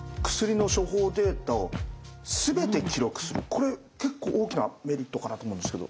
これ結構大きなメリットかなと思うんですけど。